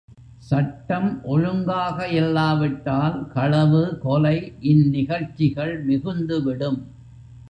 சட்டம் ஒழுங்காக இல்லாவிட்டால் களவு, கொலை இந் நிகழ்ச்சிகள் மிகுந்துவிடும்.